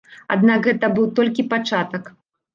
Аднак гэта быў толькі пачатак.